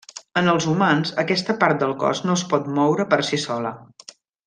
En els humans, aquesta part del cos no es pot moure per si sola.